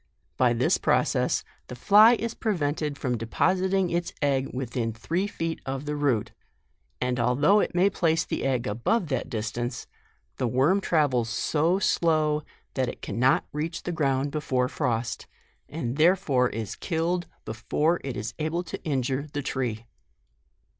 " By this process the fly is prevented from depositing its egg within three feet of the root, and although it may place the egg above that distance, the worm travels so slow that it cannot reach the ground before frost, and therefore is killed before it is able to injure the tree."